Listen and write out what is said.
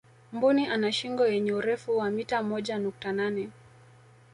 mbuni ana shingo yenye urefu wa mita moja nukta nane